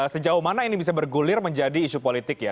sejauh mana ini bisa bergulir menjadi isu politik ya